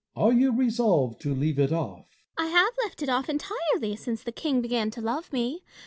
Are you resolved to leave it off? Fontanges. I have left it off entirely since the King began to love me.